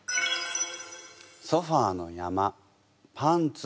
「ソファーの山パンツ